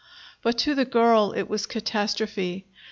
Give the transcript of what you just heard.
But to the girl it was catastrophe.